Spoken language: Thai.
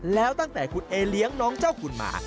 แล้วตั้งแต่คุณเอเลี้ยงน้องเจ้าคุณมา